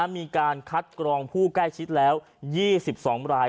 มีการคัดกรองผู้ใกล้ชิดแล้ว๒๒ราย